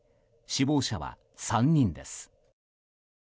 死亡者は３人です。